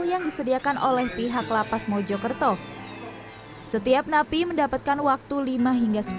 yang disediakan oleh pihak lapas mojokerto setiap napi mendapatkan waktu lima hingga sepuluh